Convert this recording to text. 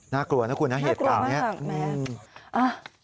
น่ากลัวนะคุณนะเหตุการณ์นี้อืมน่ากลัวมากค่ะ